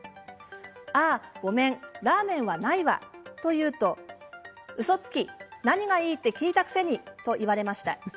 ああ、ごめんラーメンはないわ、と言うとうそつき、何がいい？って聞いたくせに、と言われました。